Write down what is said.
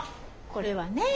これはね